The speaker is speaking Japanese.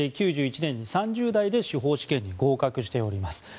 ９１年に３０代で司法試験に合格しています。